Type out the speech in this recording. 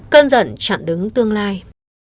cơn giận chặn đứng tương lai